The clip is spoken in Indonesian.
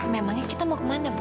memangnya kita mau ke mana bu